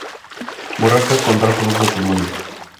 Urraca contrajo dos matrimonios.